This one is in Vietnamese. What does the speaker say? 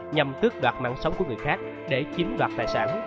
nhằm tước đoạt mạng sống của người khác để chiếm đoạt tài sản